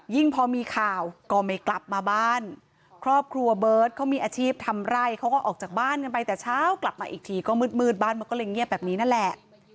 พอมีข่าวก็ไม่กลับมาบ้านครอบครัวเบิร์ตเขามีอาชีพทำไร่เขาก็ออกจากบ้านกันไปแต่เช้ากลับมาอีกทีก็มืดมืดบ้านมันก็เลยเงียบแบบนี้นั่นแหละ